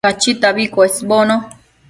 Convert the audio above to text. Cachitabi cuesbono